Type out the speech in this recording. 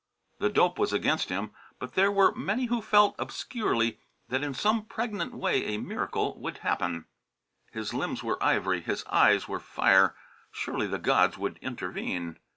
The dope was against him; but there were many who felt, obscurely, that in some pregnant way a miracle would happen. His limbs were ivory, his eyes were fire; surely the gods would intervene!